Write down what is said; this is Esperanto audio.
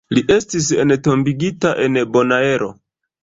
Li estis entombigita en Bonaero.